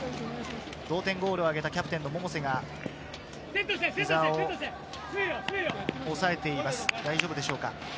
同点ゴールを挙げたキャプテンの百瀬が膝を押さえています、大丈夫でしょうか。